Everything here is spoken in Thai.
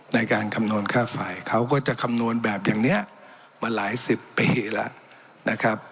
ในการคำนวณค่าไฟเขาก็จะคำนวณแบบอย่างนี้มาหลายสิบปีแล้วนะครับ